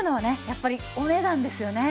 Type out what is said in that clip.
やっぱりお値段ですよね。